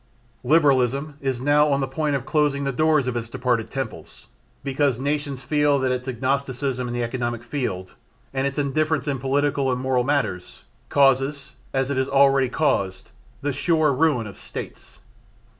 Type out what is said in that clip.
Liberalism is now on the point of closing the doors of its deserted temples because nations feel that its agnosticism in the economic field and its indifference in political and moral matters, causes, as it has already caused, the sure ruin of States.